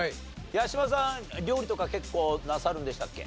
八嶋さん料理とか結構なさるんでしたっけ？